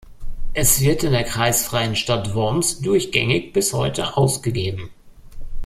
Es wird in der kreisfreien Stadt Worms durchgängig bis heute ausgegeben.